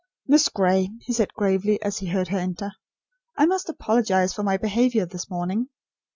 "Miss Gray," he said gravely, as he heard her enter, "I must apologise for my behaviour this morning.